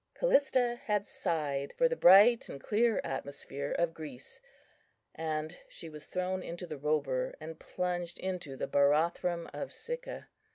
Callista had sighed for the bright and clear atmosphere of Greece, and she was thrown into the Robur and plunged into the Barathrum of Sicca.